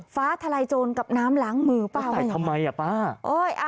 ฟ้าทะลายโจรกับน้ำล้างมือป้าวะใส่ทำไมป้า